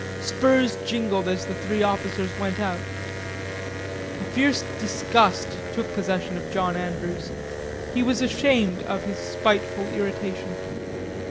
Spurs jingled as the three officers went out. A fierce disgust took possession of John Andrews. He was ashamed of his spiteful irritation.